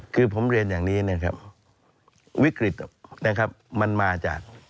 คือผมเรียนอย่างนี้นะครับวิกฤตนะครับมันมาจาก